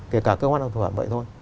kể cả cơ quan hàng thu hợp vậy thôi